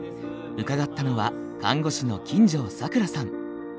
伺ったのは看護師の金城櫻さん。